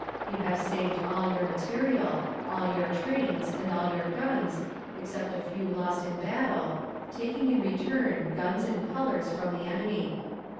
You have saved all your material, all your trains and all your guns, except a few lost in battle, taking in return guns and colors from the enemy.